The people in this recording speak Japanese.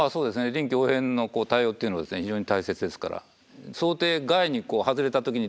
臨機応変の対応っていうのは非常に大切ですから。